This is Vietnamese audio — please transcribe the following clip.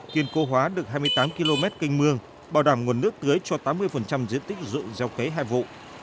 kiên cố hóa được hai mươi tám km kênh mương bảo đảm nguồn nước tưới cho tám mươi diện tích dựng giao kế hai vụ